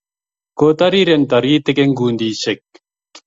Kotariren taritik eng kundishek